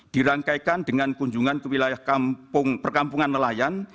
dirangkaikan dengan kunjungan ke wilayah kampung perkampungan nelayan